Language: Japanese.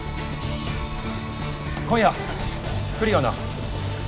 今夜来るよな？